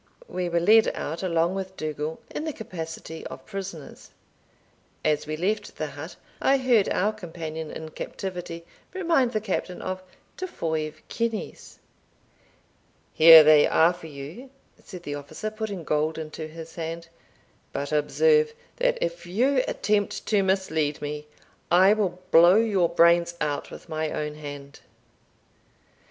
We were led out, along with Dougal, in the capacity of prisoners. As we left the hut, I heard our companion in captivity remind the Captain of "ta foive kuineas." "Here they are for you," said the officer, putting gold into his hand; "but observe, that if you attempt to mislead me, I will blow your brains out with my own hand."